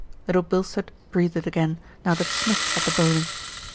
Little Bilstead breathed again, now that Smith had the bowling.